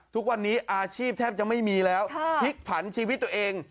ทุกวันนี้อาชีพแทบจะไม่มีแล้วพลิกผันชีวิตตัวเอง